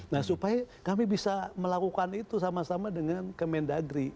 nah supaya kami bisa melakukan itu sama sama dengan kemendagri